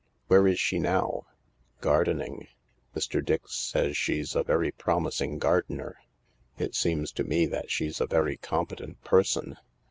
Where is she now ?" "Gardening. Mr. Dix says she's a very promising gardener." " It seems to me that she's a very competent person.